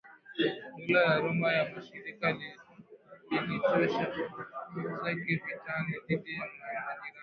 Dola la Roma ya Mashariki ilichosha nguvu zake vitani dhidi ya majirani